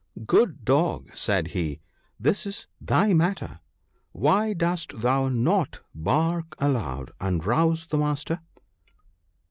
" Good Dog," said he, " this is thy matter : why dost thou not bark aloud, and rouse the master?"